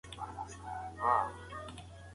ښايي د پلان جوړوني اهداف په اسانۍ سره ترلاسه سي.